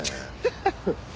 ハハハハ！